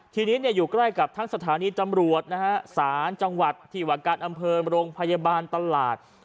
ทีนี้อยู่ใกล้กับทั้งสถานีตำรวจนะฮะศาลจังหวัดที่ว่าการอำเภอโรงพยาบาลตลาด